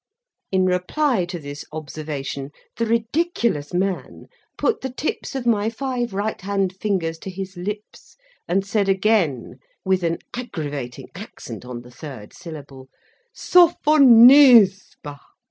In reply to this observation, the ridiculous man put the tips of my five right hand fingers to his lips, and said again, with an aggravating accent on the third syllable: "Sophon_is_ba!"